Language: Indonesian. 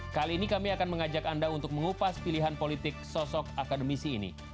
kali ini kami akan mengajak anda untuk mengupas pilihan politik sosok akademisi ini